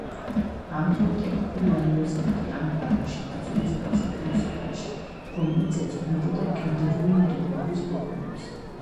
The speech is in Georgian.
დაამთავრა ტექნიკური უნივერსიტეტი ანკარაში, დაიცვა დისერტაცია ფილოსოფიაში, რომელიც ეძღვნებოდა გენდერული იდენტურობის პრობლემებს.